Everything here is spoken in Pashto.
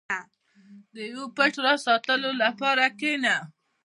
• د یو پټ راز ساتلو لپاره کښېنه.